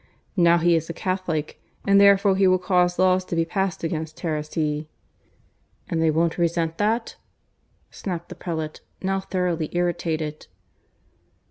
Now he is a Catholic, and therefore he will cause laws to be passed against heresy.'" "And they won't resent that?" snapped the prelate, now thoroughly irritated.